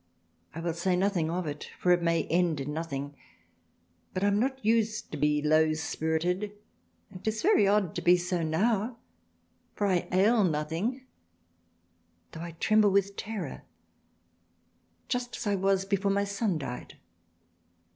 I will say nothing of it, for it may end in nothing but I am not used to be low spirited and 'tis very odd to be so now, for I ail nothing though I tremble with Terror just as I was before my Son died